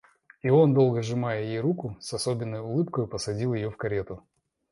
И он, долго сжимая ей руку, с особенною улыбкой посадил ее в карету.